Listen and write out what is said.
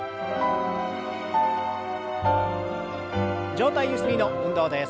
上体ゆすりの運動です。